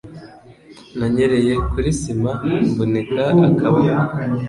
Nanyereye kuri sima mvunika akaboko.